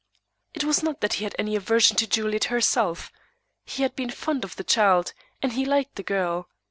It was not that he had any aversion to Juliet herself. He had been fond of the child, and he liked the girl.